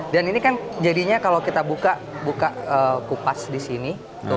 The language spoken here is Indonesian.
dan ini kan jadinya kalau kita buka kupas di sini